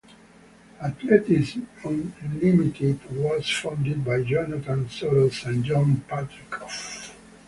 Athletes Unlimited was founded by Jonathan Soros and Jon Patricof.